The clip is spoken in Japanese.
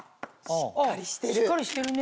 しっかりしてるね。